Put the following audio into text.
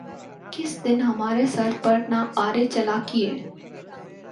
کس دن ہمارے سر پہ نہ آرے چلا کیے